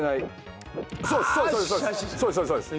そうですそうです。